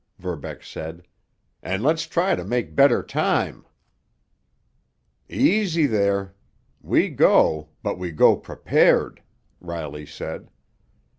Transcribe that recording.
Verbeck said. "And let's try to make better time!" "Easy there! We go—but we go prepared!" Riley said.